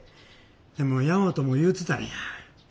でも大和も言うてたんや。